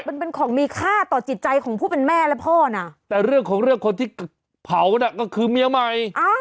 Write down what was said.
มันเป็นของมีค่าต่อจิตใจของผู้เป็นแม่และพ่อน่ะแต่เรื่องของเรื่องคนที่เผาน่ะก็คือเมียใหม่